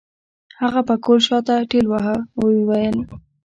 هغه پکول شاته ټېلوهه وويل.